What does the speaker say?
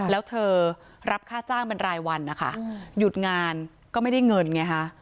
แล้วเธอรับค่าจ้างเป็นรายวันนะคะหยุดงานก็ไม่ได้เงินไงฮะ